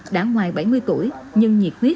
đã ngoài bảy mươi tuổi nhưng nhiệt huyết